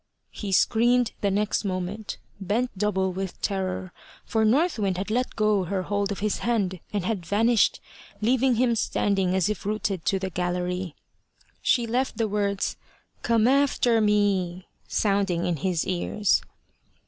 he screamed the next moment, bent double with terror, for North Wind had let go her hold of his hand, and had vanished, leaving him standing as if rooted to the gallery. She left the words, "Come after me," sounding in his ears.